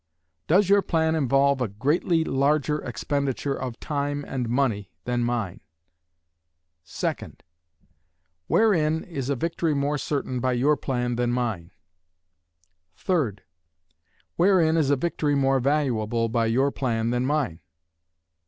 Does your plan involve a greatly larger expenditure of time and money than mine? 2d. Wherein is a victory more certain by your plan than mine? 3d. Wherein is a victory more valuable by your plan than mine?